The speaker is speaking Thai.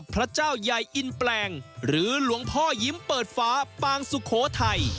พระเจ้าใหญ่อินแปลงหรือหลวงพ่อยิ้มเปิดฟ้าปางสุโขทัย